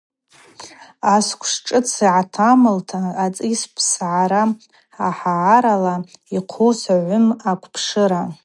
Асквш Шӏыц агӏаталымта ацӏис пссгӏара ахӏагӏарала йхъыху Согъвым аквпшыра.